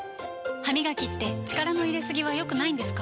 歯みがきって力の入れすぎは良くないんですか？